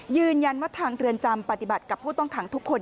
ยืนยันว่าทางเรือนจำปฏิบัติกับผู้ต้องขังทุกคน